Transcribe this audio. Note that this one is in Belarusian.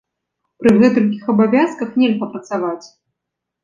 Пры гэтулькіх абавязках нельга працаваць!